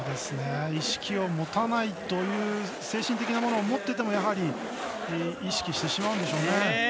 意識を持たないという精神的なものを持ってても意識してしまうんでしょうね。